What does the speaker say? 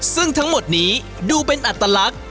ซึ่งทั้งหมดนี้ดูเป็นอัตลักษณ์